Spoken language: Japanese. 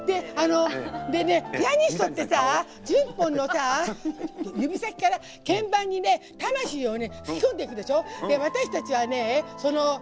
ピアニストって１０本の指先から鍵盤に魂を吹き込んでいくでしょ。